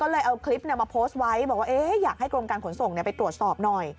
เลยเอาคลิปมาโพสต์ไว้บอกว่าอยากให้กรมการขนส่งไปตรวจสอบหน่อย